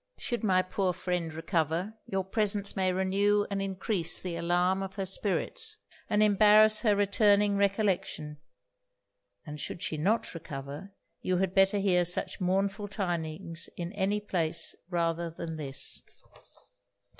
Should my poor friend recover, your presence may renew and encrease the alarm of her spirits, and embarrass her returning recollection; and should she not recover, you had better hear such mournful tidings in any place rather than this.'